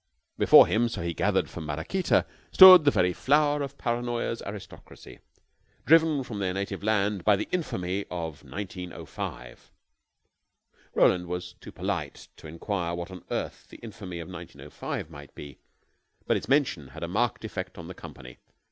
Before him, so he gathered from Maraquita, stood the very flower of Paranoya's aristocracy, driven from their native land by the Infamy of 1905. Roland was too polite to inquire what on earth the Infamy of 1905 might be, but its mention had a marked effect on the company.